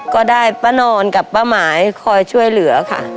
ก็ได้ป้านอนกับป้าหมายคอยช่วยเหลือค่ะ